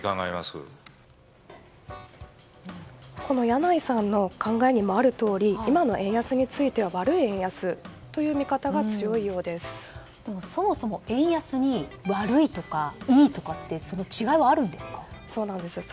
柳井さんの考えにもあるとおり今の円安については悪い円安という見方がそもそも円安に悪いとかいいとかってその違いはあるんですか？